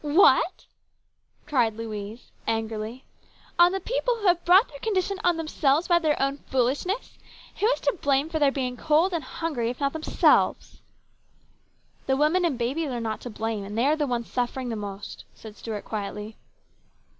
" What !" cried Louise angrily. " On the people who have brought their condition on themselves by their own foolishness ! Who is to blame for their being hungry and cold, if not themselves ?" "The women and babies are not to blame, and they are the ones to feel the suffering most," said Stuart quietly.